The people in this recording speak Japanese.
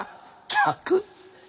客？